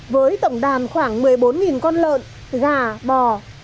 với tổng đàn khoảng một mươi bốn con lợn gà bò